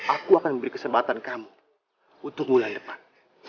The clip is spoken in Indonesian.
aku akan memberi kesempatan kamu untuk bulan depan